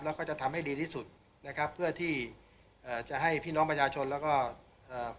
แล้วก็จะทำให้ดีที่สุดนะครับเพื่อที่เอ่อจะให้พี่น้องประชาชนแล้วก็เอ่อ